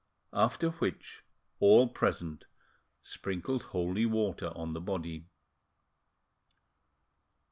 After which all present sprinkled holy water on the body....